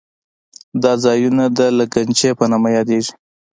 دا ځایونه د لګنچې په نامه یادېږي.